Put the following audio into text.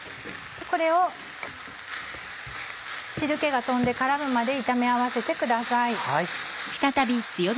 これを汁気が飛んで絡むまで炒め合わせてください。